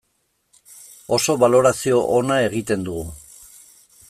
Oso balorazio ona egiten dugu.